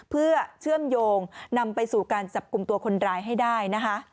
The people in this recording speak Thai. เพื่อเชื่อมโยงนำไปสู่การจับกลุ่มตัวคนร้ายให้ได้นะคะ